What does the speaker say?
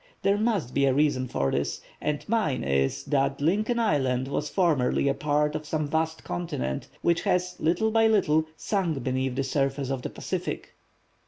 There must be a reason for this, and mine is, that Lincoln Island was formerly a part of some vast continent, which has, little by little, sunk beneath the surface of the Pacific."